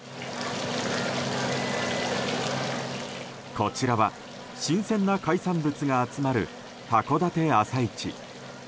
こちらは新鮮な海産物が集まる函館朝市。